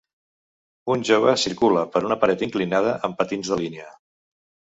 Un jove circula per una paret inclinada amb patins de línia